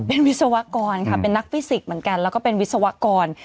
เป็นวิศวกรค่ะเป็นนักฟิสิกส์เหมือนกันแล้วก็เป็นวิศวกร